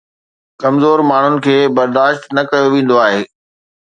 ڪمزور ماڻهن کي برداشت نه ڪيو ويندو آهي